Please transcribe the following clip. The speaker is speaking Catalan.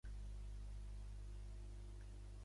"Glanis, Glanum, Glen" i en català "net".